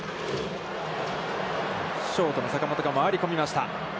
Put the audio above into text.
ショートの坂本が回り込みました。